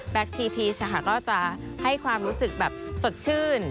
แบล็กทีพีชก็จะให้ความรู้สึกสดชื่น